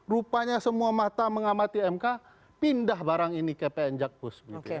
rupanya semua mata mengamati mk pindah barang ini ke pn jakpus